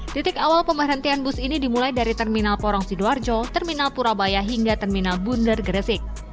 titik awal pemberhentian bus ini dimulai dari terminal porong sidoarjo terminal purabaya hingga terminal bundar gresik